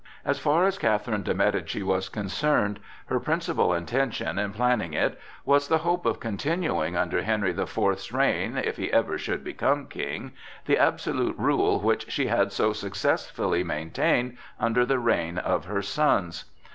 As far as Catherine de Médicis was concerned, her principal intention in planning it was the hope of continuing under Henry the Fourth's reign (if he ever should become king) the absolute rule which she had so successfully maintained under the reign of her sons.